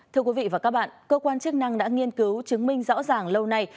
thưa quý vị và các bạn cơ quan chức năng đã nghiên cứu chứng minh rõ ràng lâu nay